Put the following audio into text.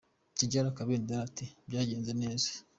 Tidjala Kabendera ati “ Byagenze neza.